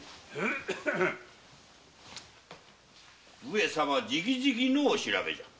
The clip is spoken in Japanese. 上様じきじきのお調べじゃ。